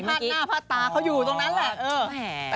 เไรพระหน้าพระตาเขาอยู่ตรงนั้นแหละ